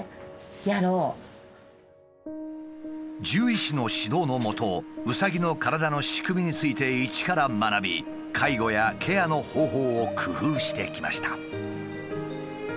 獣医師の指導のもとうさぎの体の仕組みについて一から学び介護やケアの方法を工夫してきました。